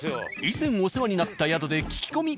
以前お世話になった宿で聞き込み。